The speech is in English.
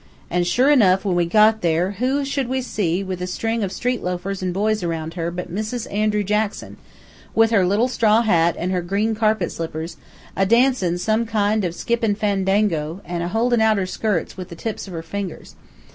An' sure enough, when we got there, who should we see, with a ring of street loafers an' boys around her, but Mrs. Andrew Jackson, with her little straw hat an' her green carpet slippers, a dancin' some kind of a skippin' fandango, an' a holdin' out her skirts with the tips of her fingers.